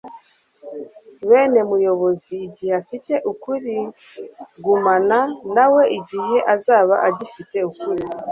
Bane numuyobozi igihe afite ukuri gumana na we igihe azaba agifite ukuri